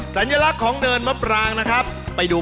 สัญลักษณ์ของเนินเหมาะปาง